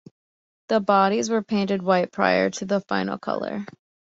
The bodies were painted white prior to the final color.